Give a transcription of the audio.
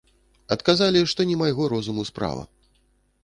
Адказалі, што не майго розуму справа.